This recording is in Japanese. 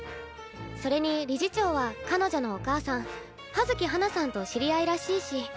それに理事長は彼女のお母さん葉月花さんと知り合いらしいし。